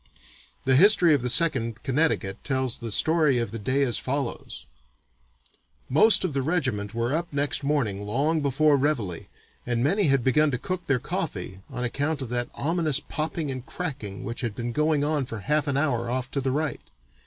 The history of the Second Connecticut tells the story of the day as follows: "Most of the regiment were up next morning long before Reveille and many had begun to cook their coffee on account of that ominous popping and cracking which had been going on for half an hour off to the right.